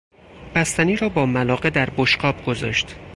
بستنی را با ملاقه در بشقاب گذاشت.